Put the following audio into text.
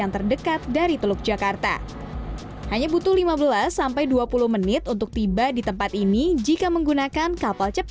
terima kasih bapak